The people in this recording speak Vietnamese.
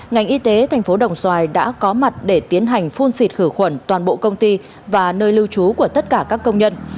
ngành y tế thành phố đồng xoài đã có mặt để tiến hành phun xịt khử khuẩn toàn bộ công ty và nơi lưu trú của tất cả các công nhân